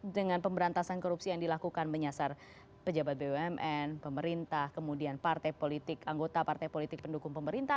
dengan pemberantasan korupsi yang dilakukan menyasar pejabat bumn pemerintah kemudian partai politik anggota partai politik pendukung pemerintah